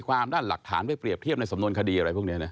ด้านหลักฐานไปเรียบเทียบในสำนวนคดีอะไรพวกนี้นะ